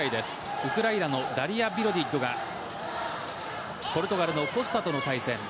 ウクライナのダリア・ビロディッドがポルトガルのコスタとの対戦。